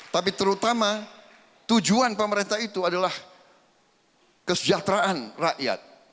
tapi terutama tujuan pemerintah itu adalah kesejahteraan rakyat